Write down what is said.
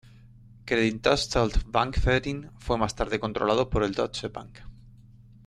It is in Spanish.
Creditanstalt-Bankverein fue más tarde controlado por el Deutsche Bank.